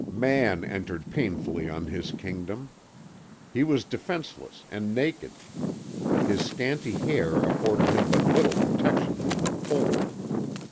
"Man entered painfully on his kingdom. He was defenceless and naked. His scanty hair afforded him but little protection from the cold.